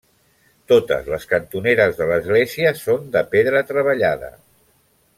Totes les cantoneres de l'església són de pedra treballada.